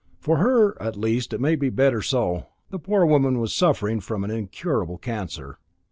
For her, at least, it may be better so. The poor woman was suffering from an incurable cancer."